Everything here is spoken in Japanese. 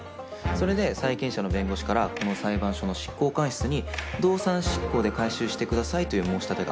それで債権者の弁護士からこの裁判所の執行官室に動産執行で回収してくださいという申し立てがあった。